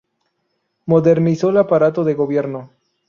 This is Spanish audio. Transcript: Modernizó el aparato de gobierno.